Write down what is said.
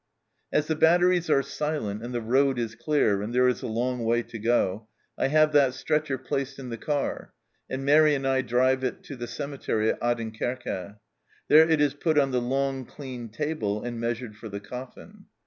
" As the batteries are silent and the road is clear and there is a long way to go, I have that stretcher placed in the car, and Mairi and I drive it to the cemetery at Adinkerke. There it is put on the long clean table, and measured for the coffin.